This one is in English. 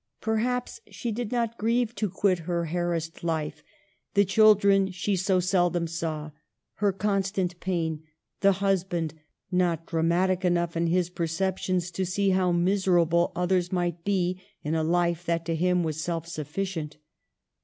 Perhaps she did not grieve to quit her harassed life, the children she so seldom saw, her constant pain, the husband "not dramatic enough in his per ceptions to see how miserable others might be in a life that to him was all sufficient."